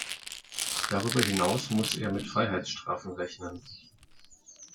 Darüber hinaus muss er mit Freiheitsstrafen rechnen.